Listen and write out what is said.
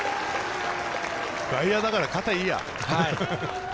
外野だから、肩いいや。